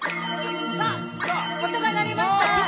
あ、音が鳴りました。